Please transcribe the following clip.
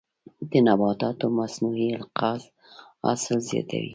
د نباتاتو مصنوعي القاح حاصل زیاتوي.